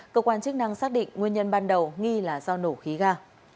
cơ quan chức năng xác định nguyên nhân ban đầu nghi là do nổ khí ga